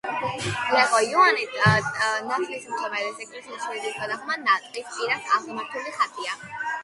ჰეღო იოანე ნათლისმცემლის ეკლესიის ეზოს გადაღმა ტყის პირას აღმართული ხატია.